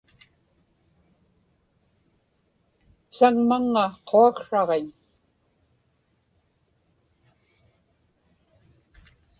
saŋmaŋŋa quaksraġiñ